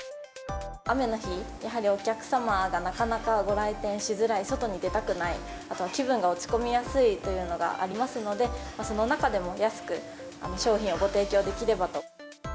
雨の日、やはりお客様がなかなかご来店しづらい、外に出たくない、あとは気分が落ち込みやすいというのがありますので、その中でも安く商品をご提供できればと。